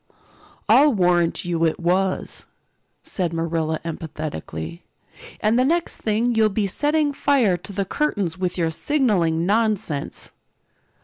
"I'll warrant you it was," said Marilla emphatically. "And the next thing you'll be setting fire to the curtains with your signaling nonsense."